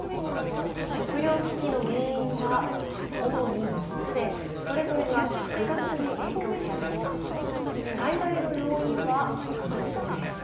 食糧危機の原因は主に３つでそれぞれが複雑に影響し合っています。